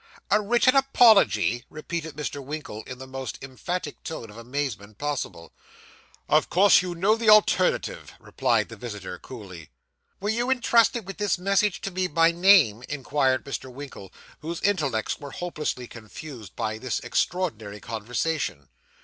'A written apology!' repeated Mr. Winkle, in the most emphatic tone of amazement possible. 'Of course you know the alternative,' replied the visitor coolly. 'Were you intrusted with this message to me by name?' inquired Mr. Winkle, whose intellects were hopelessly confused by this extraordinary conversation.